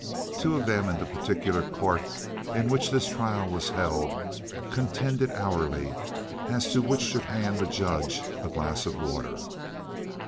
Two of them in the particular court in which this trial was held contended hourly as to which should hand the judge a glass of water.